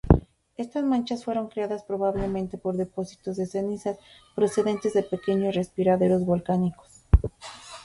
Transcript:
Estas manchas fueron creadas probablemente por depósitos de cenizas procedentes de pequeños respiraderos volcánicos.